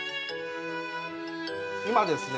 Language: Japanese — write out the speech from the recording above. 今ですね